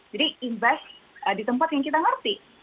jadi invest di tempat yang kita ngerti